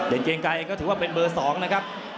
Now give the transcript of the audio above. เกียงไกรก็ถือว่าเป็นเบอร์๒นะครับ